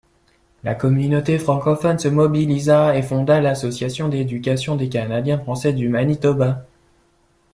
La communauté francophone se mobilisa et fonda l'Association d'éducation des Canadiens français du Manitoba.